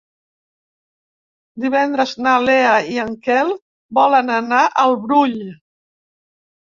Divendres na Lea i en Quel volen anar al Brull.